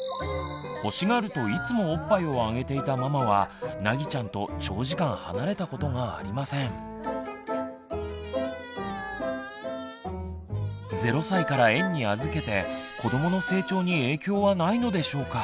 欲しがるといつもおっぱいをあげていたママはなぎちゃんと０歳から園に預けて子どもの成長に影響はないのでしょうか。